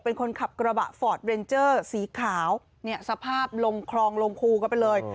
เป็นคนขับกระบะฟอร์ดเรนเจอร์สีขาวเนี่ยสภาพลงคลองลงคูกันไปเลย